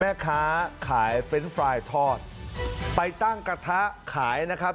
แม่ค้าขายเฟรนด์ไฟล์ทอดไปตั้งกระทะขายนะครับ